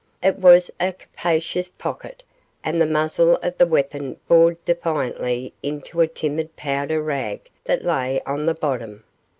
It was a capacious pocket, and the muzzle of the weapon bored defiantly into a timid powder rag that lay on the bottom.